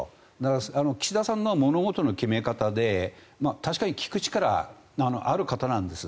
だから岸田さんの物事の決め方で確かに聞く力はある方なんです。